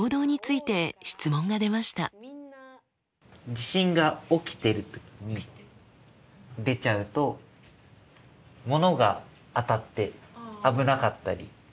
地震が起きてる時に出ちゃうとものが当たって危なかったりするので。